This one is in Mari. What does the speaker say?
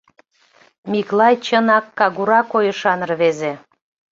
Миклай чынак кагура койышан рвезе.